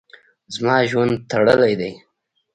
زما ژوند تړلی ده.